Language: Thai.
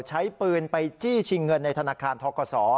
ใช้ปืนไปจี้ชิงเงินในธนาคารทกศ